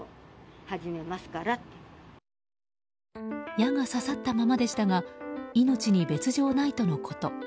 矢が刺さったままでした命に別条はないということ。